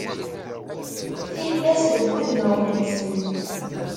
Tillas deg wudmawen-nsen.